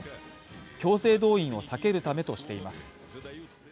強制動員を避けるためとしています。